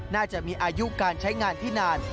น่าจะมีอายุการใช้งานที่นาน